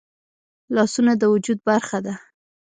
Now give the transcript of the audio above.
لاسونه د وجود برخه ده